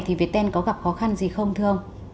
thì việt ten có gặp khó khăn gì không thường